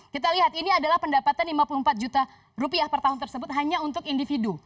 kita lihat ini adalah pendapatan lima puluh empat juta rupiah per tahun tersebut hanya untuk individu